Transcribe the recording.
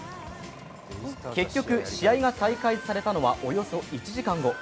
結局、試合が再開されたのはおよそ１時間後。